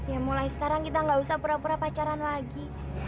ya mulai sekarang kita nggak usah pura pura pacaran lagi